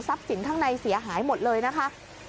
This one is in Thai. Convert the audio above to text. สินข้างในเสียหายหมดเลยนะคะ